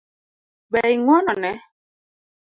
Be ing'uono ne?